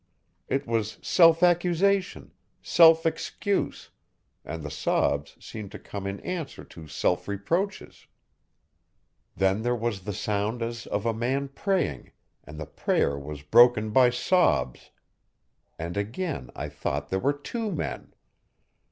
It was self accusation, self excuse, and the sobs seemed to come in answer to self reproaches. Then there was sound as of a man praying, and the prayer was broken by sobs; and again I thought there were two men.